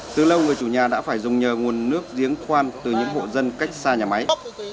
từ lâu người chủ nhà đã phải dùng nhờ nguồn nước giếng khoan từ những hộ dân cách xa nhà máy